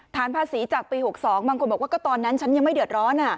ภาษีจากปี๖๒บางคนบอกว่าก็ตอนนั้นฉันยังไม่เดือดร้อน